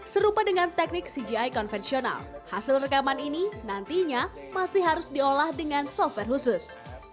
serupa dengan teknik cgi konvensional hasil rekaman ini nantinya masih harus diolah dengan software khusus